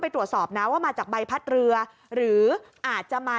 ตรวจสอบนะว่ามาจากใบพัดเรือหรืออาจจะมา